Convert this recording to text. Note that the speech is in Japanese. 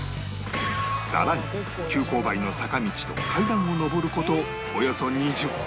さらに急勾配の坂道と階段を上る事およそ２０分